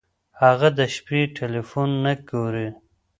هغه د شپې ټیلیفون نه ګوري.